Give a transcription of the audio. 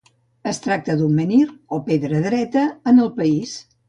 Es tracta d'un menhir, o pedra dreta, en el país.